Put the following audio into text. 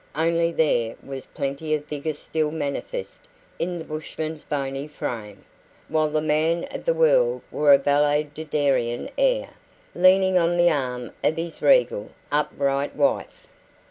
Only there was plenty of vigour still manifest in the bushman's bony frame, while the man of the world wore a valetudinarian air, leaning on the arm of his regal, upright wife.